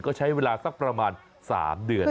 ก็ใช้เวลาสักประมาณ๓เดือน